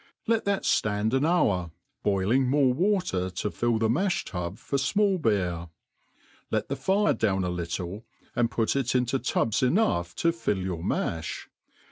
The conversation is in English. Let that f^and an hour, boil ilig more water to fill the malh tub for fmall beer; let the fire down a little, and put it into tubs enough to fill your mafli.